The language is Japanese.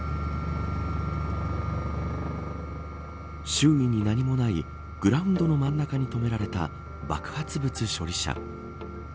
周囲に何もないグラウンドの真ん中に止められた爆発物処理車。